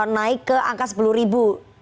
tidak langsung naik ke angka rp sepuluh